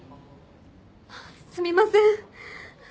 すみません。